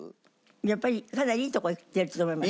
やっぱりかなりいいとこいってると思います。